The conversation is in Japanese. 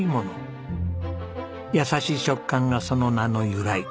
優しい食感がその名の由来。